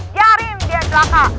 diarin dia celaka